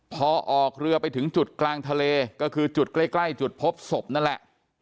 พอออกเรือไปถึงจุดกลางทะเลก็คือจุดใกล้จุดพบศพนั่นแหละ